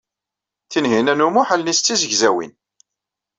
Tinhinan u Muḥ allen-is d tizegzawin.